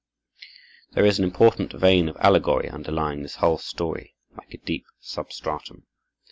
There is an important vein of allegory underlying this whole story, like a deep substratum.